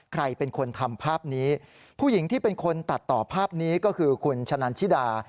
ใครเป็นคนทำภาพนี้ผู้หญิงที่เป็นคนตัดต่อภาพนี้ก็คือคุณชะนันชิดา